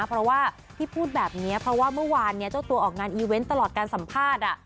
เพราะว่าที่พูดแบบนี้เพราะว่าเมื่อวานเนี่ยเจ้าตัวออกงานอีเวนต์ตลอดการสัมภาษณ์